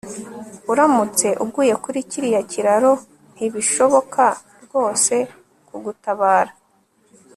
Uramutse uguye kuri kiriya kiraro ntibishoboka rwose kugutabara